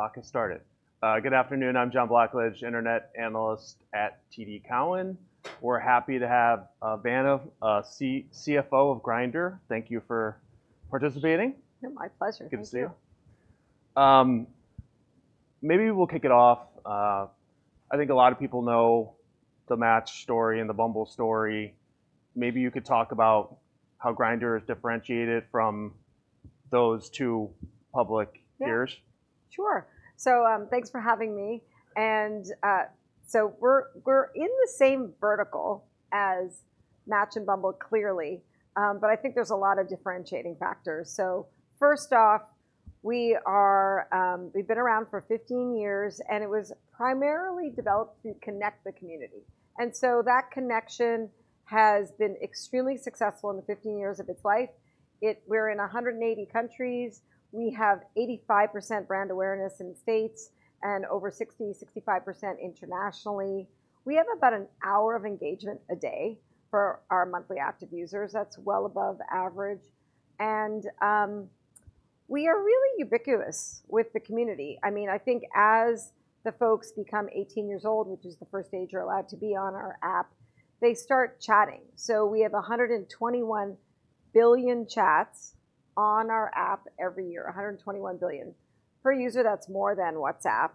Okay, the clock has started. Good afternoon, I'm John Blackledge, Internet Analyst at TD Cowen. We're happy to have Vanna, CFO of Grindr. Thank you for participating. Yeah, my pleasure. Thank you. Good to see you. Maybe we'll kick it off. I think a lot of people know the Match story and the Bumble story. Maybe you could talk about how Grindr is differentiated from those two public peers. Yeah, sure. So, thanks for having me. We're in the same vertical as Match and Bumble, clearly. But I think there's a lot of differentiating factors. So first off, we've been around for 15 years, and it was primarily developed to connect the community. So that connection has been extremely successful in the 15 years of its life. We're in 180 countries. We have 85% brand awareness in the States and over 60%-65% internationally. We have about an hour of engagement a day for our monthly active users. That's well above average. We are really ubiquitous with the community. I mean, I think as the folks become 18 years old, which is the first age you're allowed to be on our app, they start chatting. So we have 121 billion chats on our app every year, 121 billion. Per user, that's more than WhatsApp.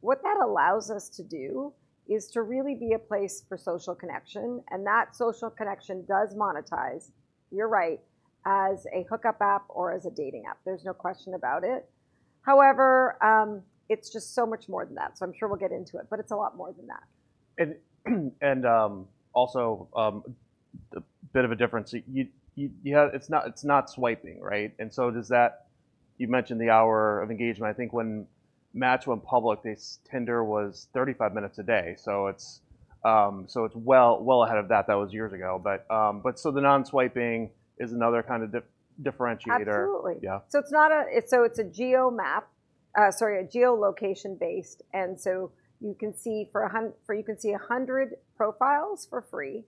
What that allows us to do is to really be a place for social connection. That social connection does monetize, you're right, as a hookup app or as a dating app. There's no question about it. However, it's just so much more than that. I'm sure we'll get into it, but it's a lot more than that. Also, a bit of a difference. It's not swiping, right? And so does that you mentioned the hour of engagement. I think when Match went public, their Tinder was 35 minutes a day. So it's well ahead of that. That was years ago. But so the non-swiping is another kind of differentiator. Absolutely. Yeah. So it's a geolocation-based. And so you can see 100 profiles for free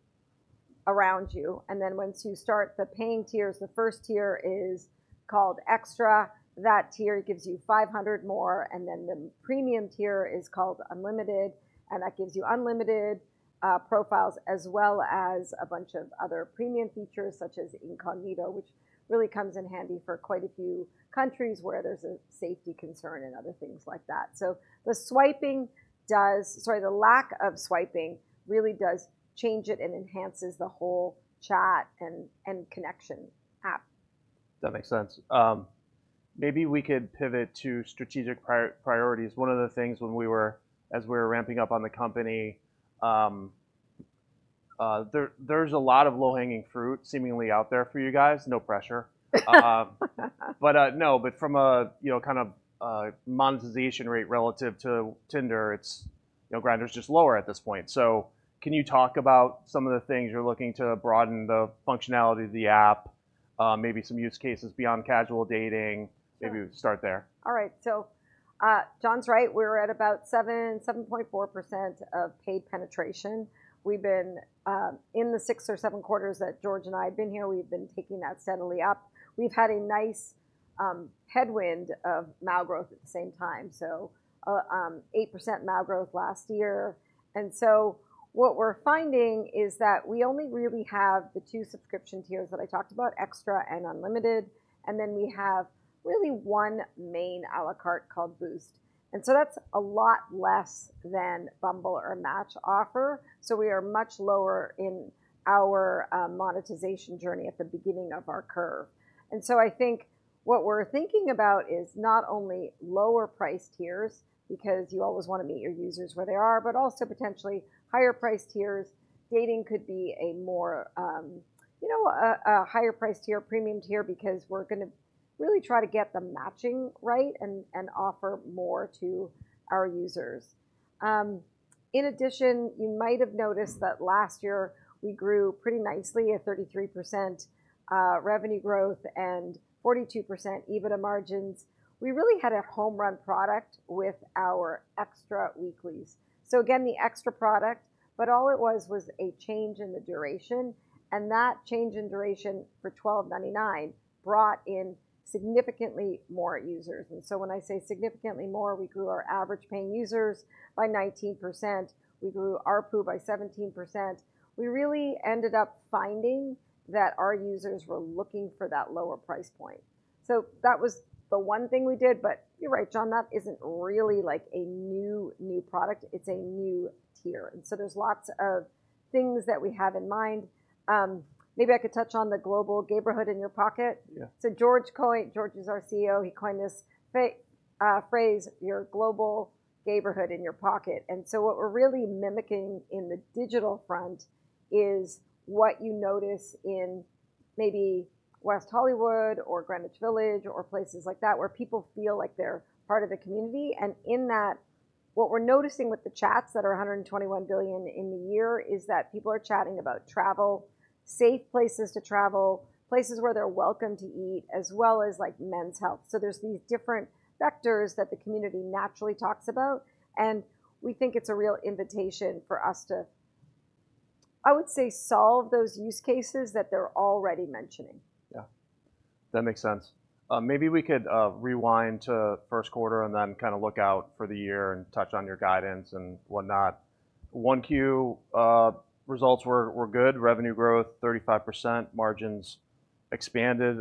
around you. And then once you start the paying tiers, the first tier is called XTRA. That tier gives you 500 more. And then the premium tier is called Unlimited. And that gives you unlimited profiles as well as a bunch of other premium features such as Incognito, which really comes in handy for quite a few countries where there's a safety concern and other things like that. So the lack of swiping really does change it and enhances the whole chat and connection app. That makes sense. Maybe we could pivot to strategic priorities. One of the things when we were ramping up on the company, there's a lot of low-hanging fruit seemingly out there for you guys. No pressure. But from a, you know, kind of, monetization rate relative to Tinder, it's, you know, Grindr's just lower at this point. So can you talk about some of the things you're looking to broaden the functionality of the app, maybe some use cases beyond casual dating? Maybe we start there. All right. So, John's right. We're at about 7%-7.4% paid penetration. We've been, in the six or seven quarters that George and I have been here, taking that steadily up. We've had a nice tailwind of MAU growth at the same time. So, 8% MAU growth last year. And so what we're finding is that we only really have the two subscription tiers that I talked about, XTRA and Unlimited. And then we have really one main à la carte called Boost. And so that's a lot less than Bumble or Match offer. So we are much lower in our monetization journey at the beginning of our curve. And so I think what we're thinking about is not only lower price tiers because you always want to meet your users where they are, but also potentially higher price tiers. Dating could be a more, you know, a higher price tier, premium tier because we're going to really try to get the matching right and offer more to our users. In addition, you might have noticed that last year we grew pretty nicely at 33% revenue growth and 42% EBITDA margins. We really had a home-run product with our XTRA weeklies. So again, the XTRA product, but all it was, was a change in the duration. And that change in duration for $12.99 brought in significantly more users. And so when I say significantly more, we grew our average paying users by 19%. We grew ARPU by 17%. We really ended up finding that our users were looking for that lower price point. So that was the one thing we did. But you're right, John. That isn't really like a new, new product. It's a new tier. There's lots of things that we have in mind. Maybe I could touch on the global Gayborhood in your pocket. Yeah. So George Arison, George is our CEO. He coined this phrase, your Global Gayborhood in your pocket. And so what we're really mimicking in the digital front is what you notice in maybe West Hollywood or Greenwich Village or places like that where people feel like they're part of the community. And in that, what we're noticing with the chats that are 121 billion in the year is that people are chatting about travel, safe places to travel, places where they're welcome to eat, as well as like men's health. So there's these different vectors that the community naturally talks about. And we think it's a real invitation for us to, I would say, solve those use cases that they're already mentioning. Yeah. That makes sense. Maybe we could rewind to first quarter and then kind of look out for the year and touch on your guidance and whatnot. 1Q results were good. Revenue growth 35%. Margins expanded.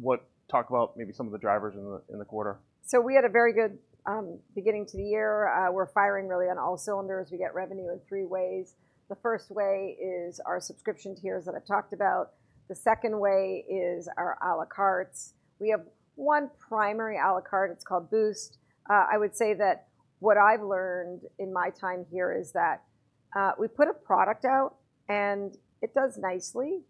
What, talk about maybe some of the drivers in the quarter? We had a very good beginning to the year. We're firing really on all cylinders. We get revenue in three ways. The first way is our subscription tiers that I've talked about. The second way is our à la cartes. We have one primary à la carte. It's called Boost. I would say that what I've learned in my time here is that we put a product out and it does nicely.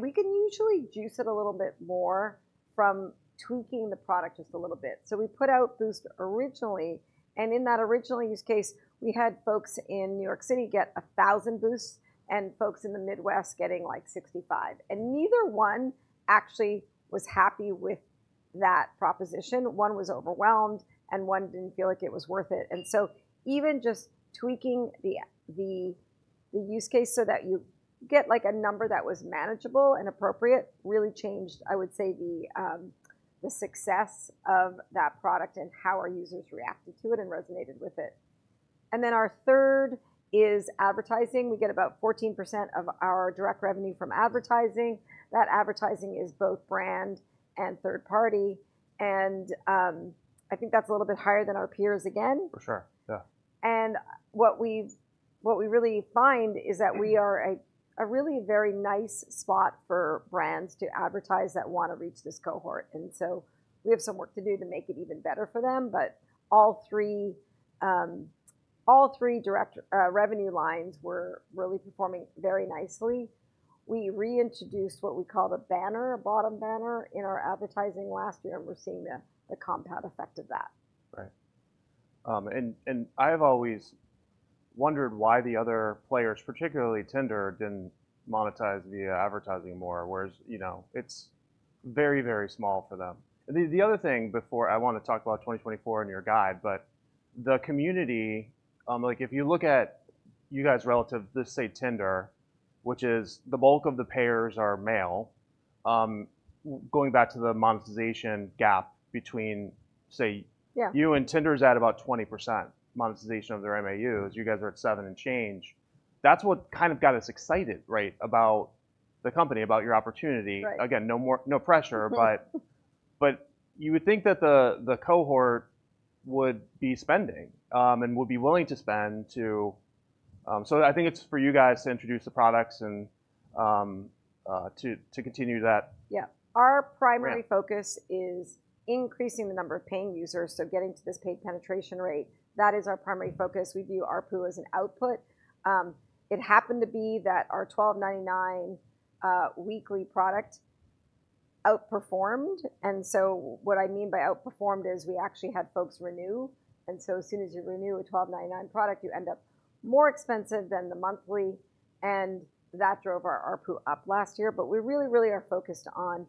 We can usually juice it a little bit more from tweaking the product just a little bit. We put out Boost originally. In that original use case, we had folks in New York City get 1,000 Boosts and folks in the Midwest getting like 65. Neither one actually was happy with that proposition. One was overwhelmed and one didn't feel like it was worth it. And so even just tweaking the use case so that you get like a number that was manageable and appropriate really changed, I would say, the success of that product and how our users reacted to it and resonated with it. And then our third is advertising. We get about 14% of our direct revenue from advertising. That advertising is both brand and third party. And I think that's a little bit higher than our peers again. For sure. Yeah. What we really find is that we are a really very nice spot for brands to advertise that want to reach this cohort. So we have some work to do to make it even better for them. But all three direct revenue lines were really performing very nicely. We reintroduced what we call the banner, a bottom banner in our advertising last year. And we're seeing the compound effect of that. Right. And I have always wondered why the other players, particularly Tinder, didn't monetize via advertising more, whereas, you know, it's very, very small for them. The other thing before I want to talk about 2024 in your guide, but the community, like if you look at you guys' relative, let's say Tinder, which is the bulk of the payers are male, going back to the monetization gap between, say, you and Tinder's at about 20% monetization of their MAUs. You guys are at 7% and change. That's what kind of got us excited, right, about the company, about your opportunity. Again, no more, no pressure, but you would think that the cohort would be spending, and would be willing to spend to, so I think it's for you guys to introduce the products and, to continue that. Yeah. Our primary focus is increasing the number of paying users. So getting to this paid penetration rate, that is our primary focus. We view ARPU as an output. It happened to be that our $12.99 weekly product outperformed. And so what I mean by outperformed is we actually had folks renew. And so as soon as you renew a $12.99 product, you end up more expensive than the monthly. And that drove our ARPU up last year. But we really, really are focused on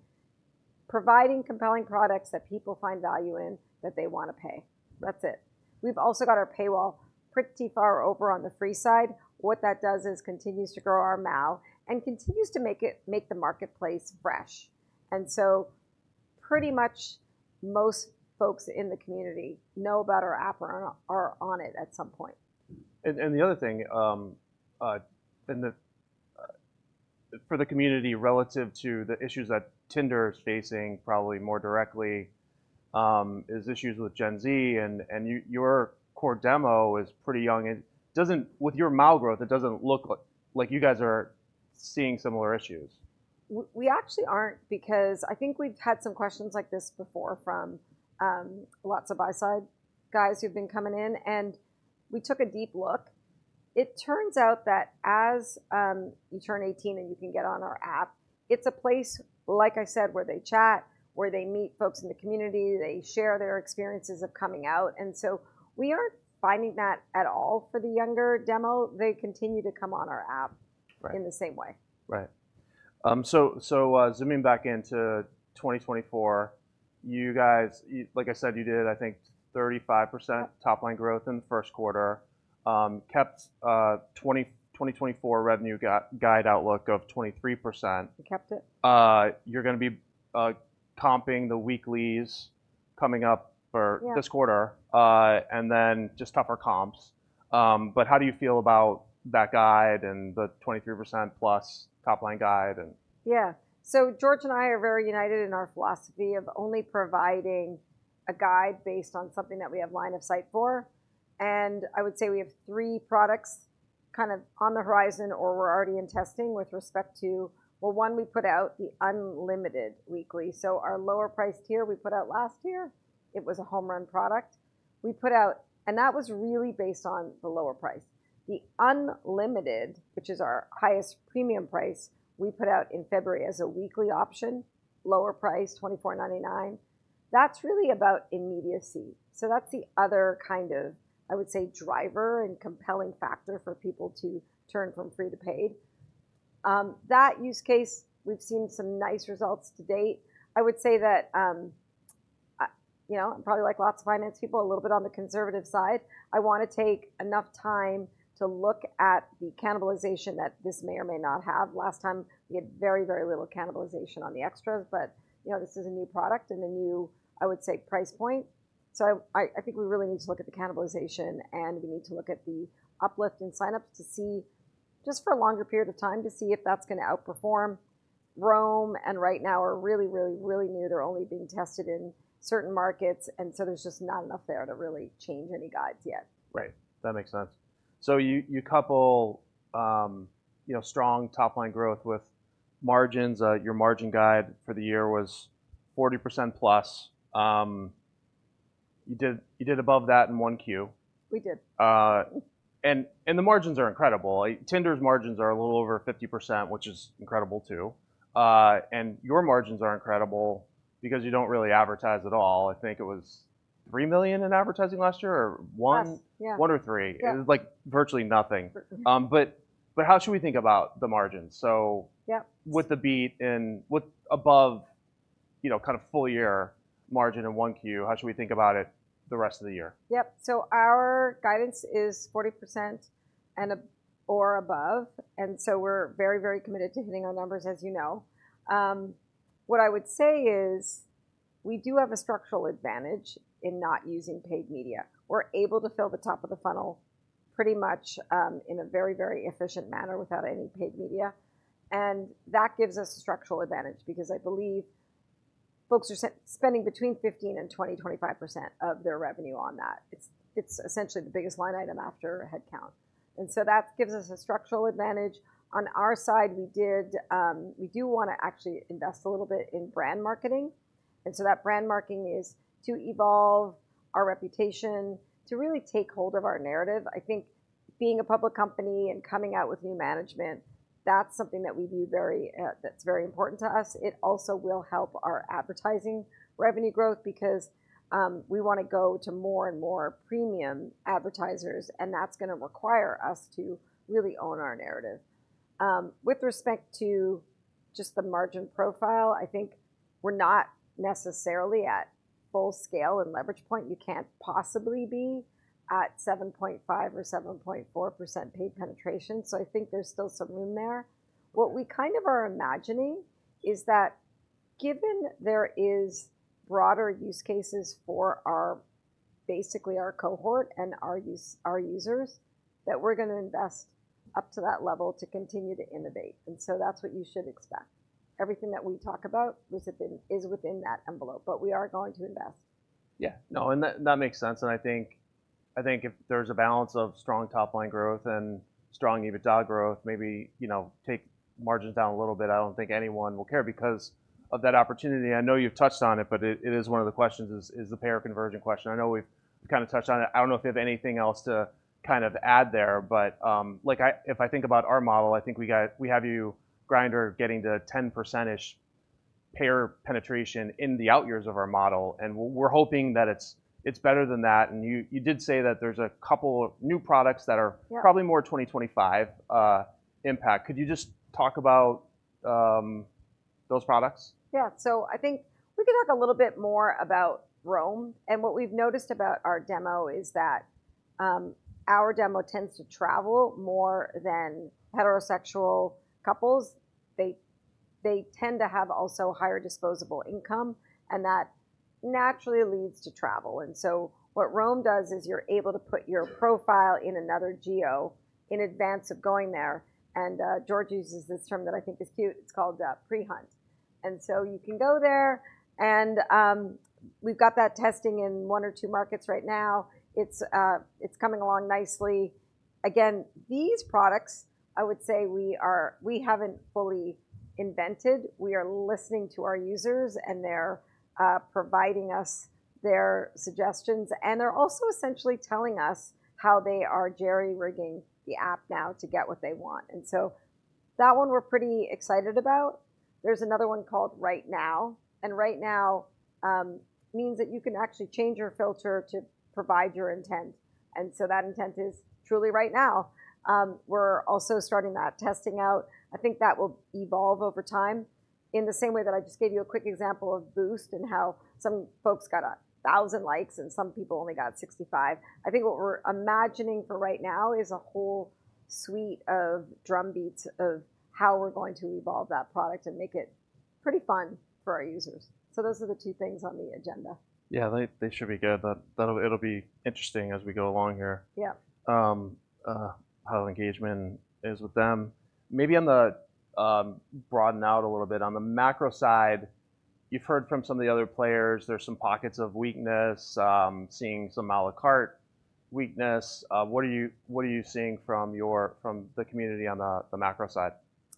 providing compelling products that people find value in, that they want to pay. That's it. We've also got our paywall pretty far over on the free side. What that does is continues to grow our MAU and continues to make it, make the marketplace fresh. And so pretty much most folks in the community know about our app or are on it at some point. The other thing, for the community relative to the issues that Tinder's facing probably more directly, is issues with Gen Z. Your core demo is pretty young. It doesn't, with your MAU growth, it doesn't look like you guys are seeing similar issues. We actually aren't because I think we've had some questions like this before from lots of buy-side guys who've been coming in. We took a deep look. It turns out that as you turn 18 and you can get on our app, it's a place, like I said, where they chat, where they meet folks in the community. They share their experiences of coming out. So we aren't finding that at all for the younger demo. They continue to come on our app in the same way. Right. So, zooming back into 2024, you guys, like I said, you did, I think, 35% top-line growth in the first quarter. Kept 2024 revenue guide outlook of 23%. We kept it. You're going to be comping the weeklies coming up for this quarter, and then just tougher comps. But how do you feel about that guide and the 23% plus top-line guide? Yeah. So George and I are very united in our philosophy of only providing a guide based on something that we have line of sight for. And I would say we have three products kind of on the horizon or we're already in testing with respect to, well, one, we put out the Unlimited weekly. So our lower price tier we put out last year, it was a home run product. We put out, and that was really based on the lower price. The Unlimited, which is our highest premium price, we put out in February as a weekly option, lower price, $24.99. That's really about immediacy. So that's the other kind of, I would say, driver and compelling factor for people to turn from free to paid. That use case, we've seen some nice results to date. I would say that, you know, I'm probably like lots of finance people, a little bit on the conservative side. I want to take enough time to look at the cannibalization that this may or may not have. Last time we had very, very little cannibalization on the XTRA, but, you know, this is a new product and a new, I would say, price point. So I think we really need to look at the cannibalization and we need to look at the uplift in signups to see just for a longer period of time to see if that's going to outperform. Roam and Right Now are really, really, really new. They're only being tested in certain markets. And so there's just not enough there to really change any guides yet. Right. That makes sense. So you couple, you know, strong top-line growth with margins. Your margin guide for the year was 40%+. You did above that in 1Q. We did. The margins are incredible. Tinder's margins are a little over 50%, which is incredible too. Your margins are incredible because you don't really advertise at all. I think it was $3 million in advertising last year or $1 million or $3 million. It was like virtually nothing. How should we think about the margins? So with the beat and with above, you know, kind of full year margin in 1Q, how should we think about it the rest of the year? Yep. So our guidance is 40% and above. And so we're very, very committed to hitting our numbers, as you know. What I would say is we do have a structural advantage in not using paid media. We're able to fill the top of the funnel pretty much, in a very, very efficient manner without any paid media. And that gives us a structural advantage because I believe folks are spending between 15%-25% of their revenue on that. It's essentially the biggest line item after headcount. And so that gives us a structural advantage. On our side, we did, we do want to actually invest a little bit in brand marketing. And so that brand marketing is to evolve our reputation, to really take hold of our narrative. I think being a public company and coming out with new management, that's something that we view very, that's very important to us. It also will help our advertising revenue growth because, we want to go to more and more premium advertisers. And that's going to require us to really own our narrative. With respect to just the margin profile, I think we're not necessarily at full scale and leverage point. You can't possibly be at 7.5% or 7.4% paid penetration. So I think there's still some room there. What we kind of are imagining is that given there are broader use cases for our, basically our cohort and our use, our users, that we're going to invest up to that level to continue to innovate. And so that's what you should expect. Everything that we talk about was within, is within that envelope, but we are going to invest. Yeah. No, and that, that makes sense. And I think, I think if there's a balance of strong top-line growth and strong EBITDA growth, maybe, you know, take margins down a little bit. I don't think anyone will care because of that opportunity. I know you've touched on it, but it is one of the questions is, is the payer conversion question. I know we've kind of touched on it. I don't know if you have anything else to kind of add there, but, like I, if I think about our model, I think we got, we have you Grindr getting to 10%-ish payer penetration in the out years of our model. And we're hoping that it's, it's better than that. And you did say that there's a couple of new products that are probably more 2025 impact. Could you just talk about those products? Yeah. So I think we could talk a little bit more about Roam. And what we've noticed about our demo is that, our demo tends to travel more than heterosexual couples. They, they tend to have also higher disposable income. And that naturally leads to travel. And so what Roam does is you're able to put your profile in another geo in advance of going there. And, George uses this term that I think is cute. It's called, Pre-Hunt. And so you can go there and, we've got that testing in 1 or 2 markets right now. It's coming along nicely. Again, these products, I would say we are, we haven't fully invented. We are listening to our users and they're, providing us their suggestions. And they're also essentially telling us how they are jerry-rigging the app now to get what they want. And so that one we're pretty excited about. There's another one called Right Now. And Right Now means that you can actually change your filter to provide your intent. And so that intent is truly Right Now. We're also starting that testing out. I think that will evolve over time in the same way that I just gave you a quick example of Boost and how some folks got 1,000 likes and some people only got 65. I think what we're imagining for Right Now is a whole suite of drumbeats of how we're going to evolve that product and make it pretty fun for our users. So those are the two things on the agenda. Yeah. They should be good. That it'll be interesting as we go along here. Yeah. How engagement is with them. Maybe on the, broaden out a little bit on the macro side, you've heard from some of the other players. There's some pockets of weakness, seeing some à la carte weakness. What are you, what are you seeing from the community on the macro side?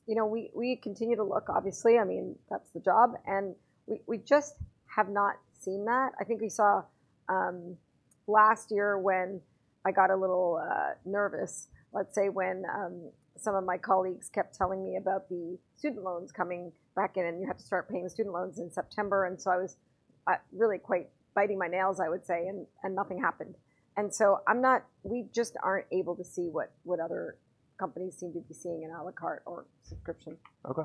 You know, we continue to look, obviously. I mean, that's the job. And we just have not seen that. I think we saw last year when I got a little nervous, let's say, when some of my colleagues kept telling me about the student loans coming back in and you had to start paying the student loans in September. And so I was really quite biting my nails, I would say, and nothing happened. And so we just aren't able to see what other companies seem to be seeing in à la carte or subscription. Okay.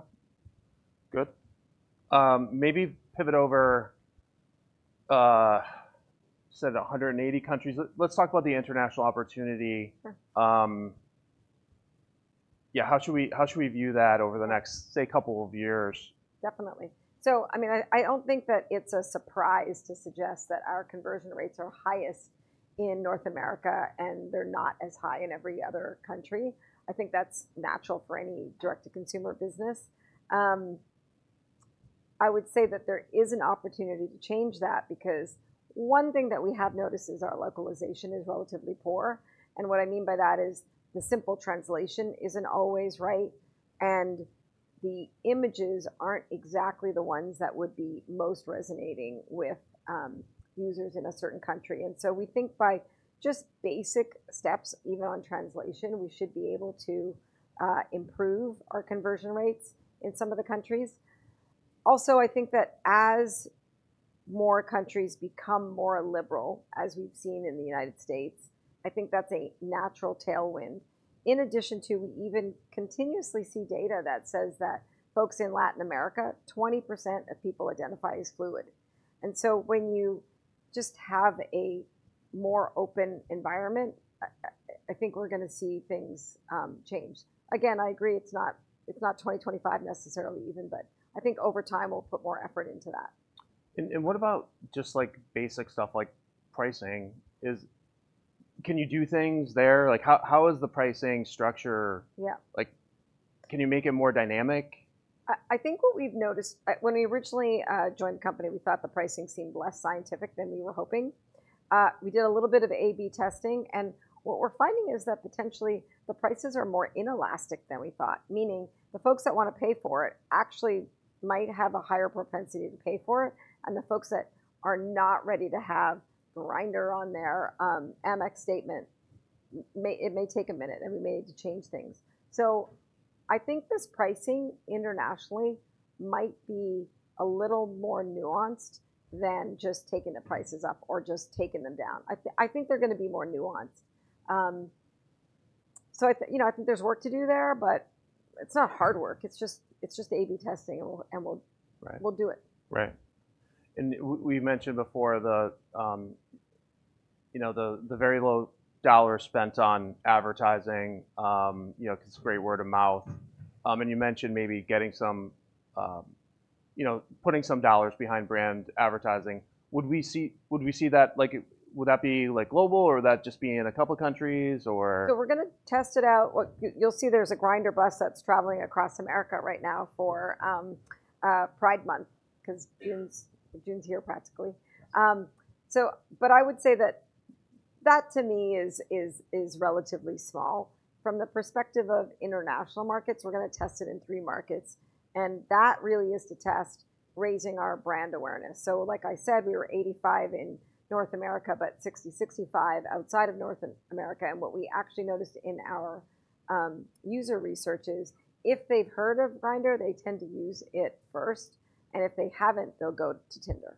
Good. Maybe pivot over, said 180 countries. Let's talk about the international opportunity. Yeah, how should we, how should we view that over the next, say, couple of years? Definitely. So, I mean, I don't think that it's a surprise to suggest that our conversion rates are highest in North America and they're not as high in every other country. I think that's natural for any direct-to-consumer business. I would say that there is an opportunity to change that because one thing that we have noticed is our localization is relatively poor. And what I mean by that is the simple translation isn't always right. And the images aren't exactly the ones that would be most resonating with users in a certain country. And so we think by just basic steps, even on translation, we should be able to improve our conversion rates in some of the countries. Also, I think that as more countries become more liberal, as we've seen in the United States, I think that's a natural tailwind. In addition to, we even continuously see data that says that folks in Latin America, 20% of people identify as fluid. And so when you just have a more open environment, I think we're going to see things change. Again, I agree it's not, it's not 2025 necessarily even, but I think over time we'll put more effort into that. What about just like basic stuff like pricing? Can you do things there? Like how is the pricing structure? Yeah. Like can you make it more dynamic? I think what we've noticed when we originally joined the company, we thought the pricing seemed less scientific than we were hoping. We did a little bit of A/B testing and what we're finding is that potentially the prices are more inelastic than we thought, meaning the folks that want to pay for it actually might have a higher propensity to pay for it. And the folks that are not ready to have Grindr on their Amex statement, it may take a minute and we may need to change things. So I think this pricing internationally might be a little more nuanced than just taking the prices up or just taking them down. I think they're going to be more nuanced. So you know, I think there's work to do there, but it's not hard work. It's just A/B testing and we'll do it. Right. And we mentioned before the, you know, the very low dollars spent on advertising, you know, because it's a great word of mouth. And you mentioned maybe getting some, you know, putting some dollars behind brand advertising. Would we see that like, would that be like global or would that just be in a couple of countries or? So we're going to test it out. What you'll see there's a Grindr bus that's traveling across America right now for Pride Month because June's here practically. But I would say that to me is relatively small from the perspective of international markets. We're going to test it in three markets. And that really is to test raising our brand awareness. So like I said, we were 85% in North America, but 60%-65% outside of North America. And what we actually noticed in our user research is if they've heard of Grindr, they tend to use it first. And if they haven't, they'll go to Tinder.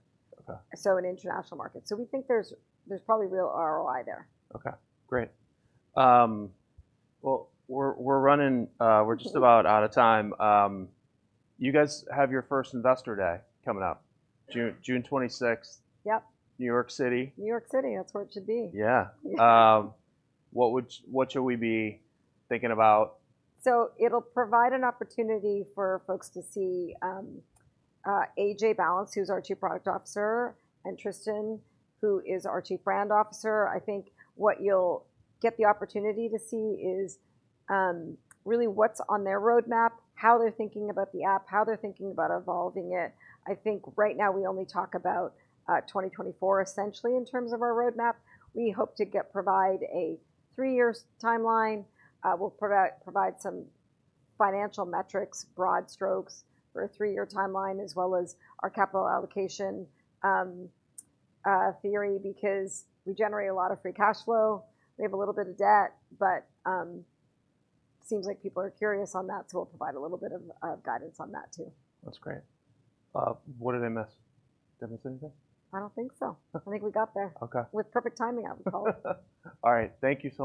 Okay. In international markets. We think there's probably real ROI there. Okay. Great. Well, we're running, we're just about out of time. You guys have your first investor day coming up. June 26th. Yep. New York City. New York City. That's where it should be. Yeah. What would, what should we be thinking about? So it'll provide an opportunity for folks to see AJ Balance, who's our Chief Product Officer, and Tristan, who is our Chief Brand Officer. I think what you'll get the opportunity to see is really what's on their roadmap, how they're thinking about the app, how they're thinking about evolving it. I think right now we only talk about 2024 essentially in terms of our roadmap. We hope to provide a three-year timeline. We'll provide some financial metrics, broad strokes for a three-year timeline as well as our capital allocation theory because we generate a lot of free cash flow. We have a little bit of debt, but seems like people are curious on that. So we'll provide a little bit of guidance on that too. That's great. What did I miss? Did I miss anything? I don't think so. I think we got there. Okay. With perfect timing, I would call it. All right. Thank you so much.